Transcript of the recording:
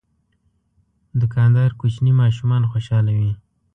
دوکاندار کوچني ماشومان خوشحالوي.